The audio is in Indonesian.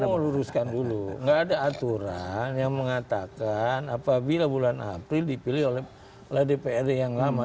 saya mau luruskan dulu nggak ada aturan yang mengatakan apabila bulan april dipilih oleh dprd yang lama